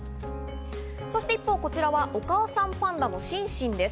一方、こちらはお母さんパンダのシンシンです。